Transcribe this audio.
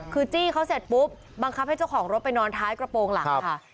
คือจี้เขาเสร็จปุ๊บบังคับให้เจ้าของรถไปนอนท้ายกระโปรงหลังค่ะ